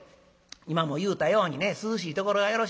今も言うたようにね涼しいところがよろしいねん。